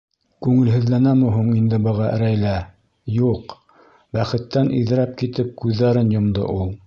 Күңелһеҙләнәме һуң инде быға Рәйлә, ю-уҡ, бәхеттән иҙрәп китеп күҙҙәрен йомдо ул!